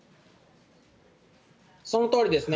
そのとおりですね。